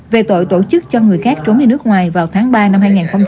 về tội tổ chức cho người khác trốn đi nước ngoài vào tháng ba năm hai nghìn hai mươi